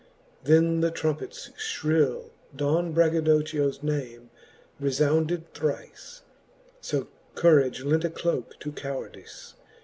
Then the trompets fhrill Don Braggadochio's name refounded thrife : So courage lent a cloke to cowardife.